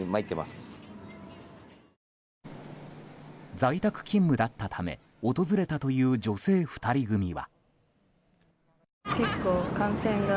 在宅勤務だったため訪れたという女性２人組は。